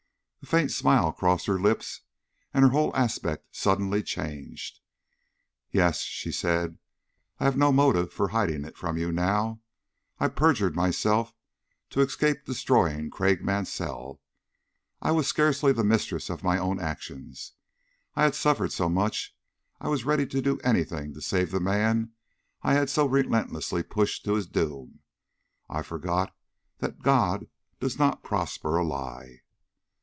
A faint smile crossed her lips, and her whole aspect suddenly changed. "Yes," she said; "I have no motive for hiding it from you now. I perjured myself to escape destroying Craik Mansell. I was scarcely the mistress of my own actions. I had suffered so much I was ready to do any thing to save the man I had so relentlessly pushed to his doom. I forgot that God does not prosper a lie."